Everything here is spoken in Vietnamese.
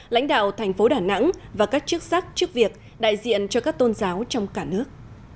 lãnh đạo thành phố đà nẵng và các chức sắc chức việc đại diện cho các tôn giáo trong cả nước